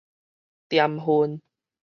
點煙